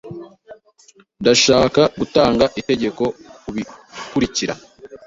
Ndashaka gutanga itegeko kubikurikira.